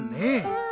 うん。